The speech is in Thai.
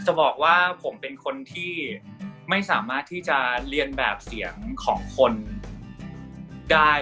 จะบอกว่าผมเป็นคนที่ไม่สามารถที่จะเรียนแบบเสียงของคนได้